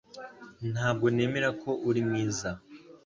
Ntabwo nemera ko uri mwiza